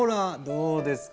どうです？